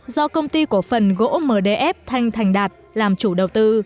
do công ty cổ phần gỗ mdf thanh thành đạt làm chủ đầu tư